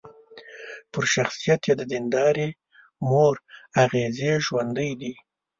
پر شخصيت يې د ديندارې مور اغېزې ژورې دي.